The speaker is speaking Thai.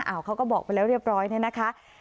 เขาก็บอกไปแล้วเรียบร้อยเนี่ยนะคะ